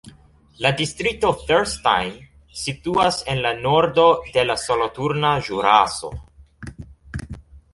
La distrikto Thierstein situas en la nordo de la Soloturna Ĵuraso.